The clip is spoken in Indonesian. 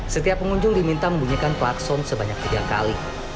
setiap pengunjung diminta membunyikan klakson sebanyak tiga kali